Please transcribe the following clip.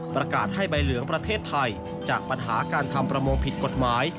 ประกาศให้ใบเหลืองประเทศไทยจากปัญหาการทำประมงผิดกฎหมาย